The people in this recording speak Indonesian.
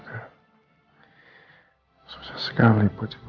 gak akan aku lepasin aku